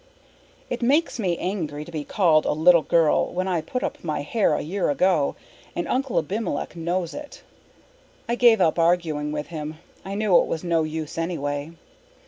It makes me angry to be called a little girl when I put up my hair a year ago, and Uncle Abimelech knows it. I gave up arguing with him. I knew it was no use anyway.